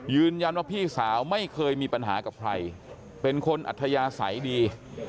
ยืนยันว่าพี่สาวไม่เคยมีปัญหากับใครเป็นคนอัธยาศัยดี